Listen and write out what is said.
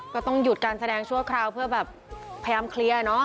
ก็ต้องหยุดการแสดงชั่วคราวเพื่อแบบพยายามเคลียร์เนาะ